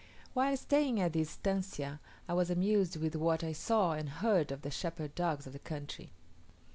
While staying at this estancia, I was amused with what I saw and heard of the shepherd dogs of the country.